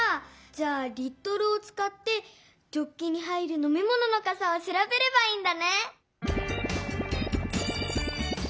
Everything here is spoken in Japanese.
じゃあ「リットル」をつかってジョッキに入るのみものの「かさ」をしらべればいいんだね！